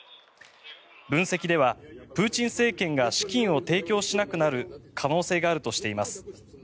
分析ではプーチン政権が資金を提供しなくなる可能性があるとしています。